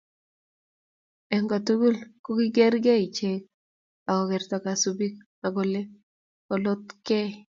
eng kotugul kokigeerei ichek ak kekartat kosubkei ak ole oloktogei